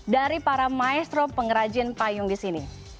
dari para maestro pengrajin payung di sini